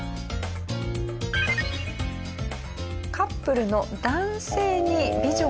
カップルの男性に美女が誘惑。